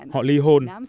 họ li hôn